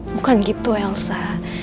bukan gitu elsa